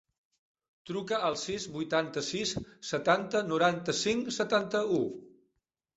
Truca al sis, vuitanta-sis, setanta, noranta-cinc, setanta-u.